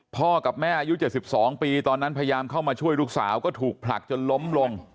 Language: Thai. กับแม่อายุ๗๒ปีตอนนั้นพยายามเข้ามาช่วยลูกสาวก็ถูกผลักจนล้มลง